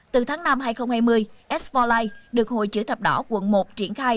từ tháng năm hai nghìn hai mươi s bốn life được hội chữ thập đỏ quận một triển khai